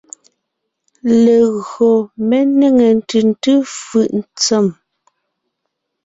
Legÿo mé nêŋe ntʉ̀ntʉ́ fʉʼ ntsèm.